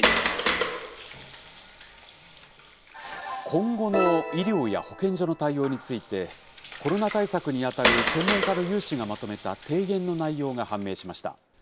今後の医療や保健所の対応について、コロナ対策に当たる専門家の有志がまとめた提言の内容が判明しました。